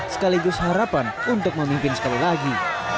sekaligus harapan untuk memimpin sekali lagi